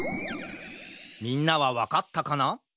みんなはわかったかな？